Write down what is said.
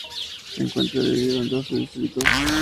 Se encuentra dividida en doce distritos.